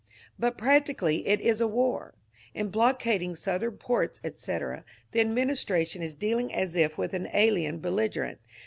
But practically it is a war; in blockading Southern ports, etc., the administration is dealing as if with an alien belligerent.